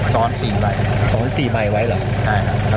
ใส่อยู่ในถุงดำ๔ใบซ้อน๔ใบ